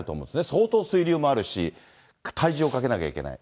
相当水流もあるし、体重をかけなきゃいけない。